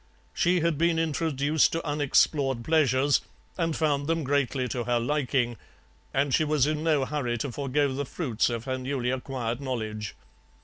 She had been introduced to unexplored pleasures, and found them greatly to her liking, and she was in no hurry to forgo the fruits of her newly acquired knowledge.